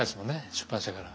出版社から。